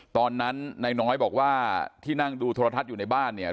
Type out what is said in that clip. ตอนนั้นนายน้อยบอกว่าที่นั่งดูโทรทัศน์อยู่ในบ้านเนี่ย